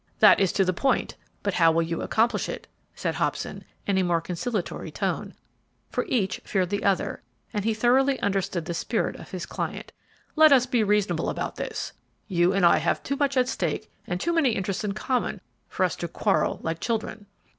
"That is to the point; but how will you accomplish it?" said Hobson, in a more conciliatory tone, for each feared the other, and he thoroughly understood the spirit of his client. "Let us be reasonable about this; you and I have too much at stake and too many interests in common for us to quarrel like children."